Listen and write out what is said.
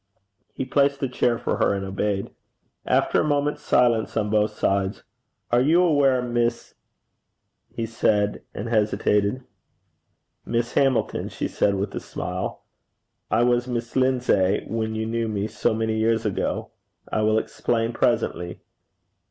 He placed a chair for her, and obeyed. After a moment's silence on both sides: 'Are you aware, Miss ?' he said and hesitated. 'Miss Hamilton,' she said with a smile. 'I was Miss Lindsay when you knew me so many years ago. I will explain presently.'